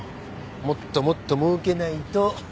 もっともっと儲けないと。